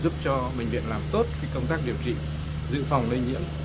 giúp cho bệnh viện làm tốt công tác điều trị giữ phòng lây nhiễm